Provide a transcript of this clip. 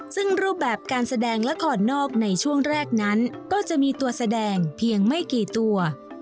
ซึ่งรูปแบบการแสดงละครนอกในช่วงแรกนั้นก็จะมีตัวแสดงเพียงไม่กี่ตัว